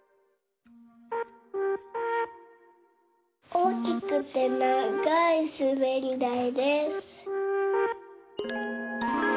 おおきくてながいすべりだいです。